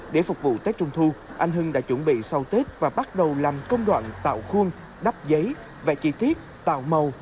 để phục vụ tết trung thu anh hưng đã chuẩn bị sau tết và bắt đầu làm công đoạn tạo khuôn đắp giấy vẽ chi tiết tạo màu